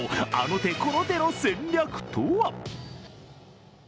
あの手この手の戦略とは。